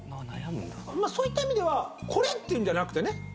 そういった意味ではこれっていうんじゃなくてね。